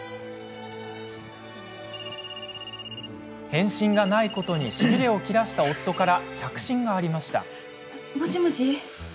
返信がないことにしびれを切らした夫からもしもし。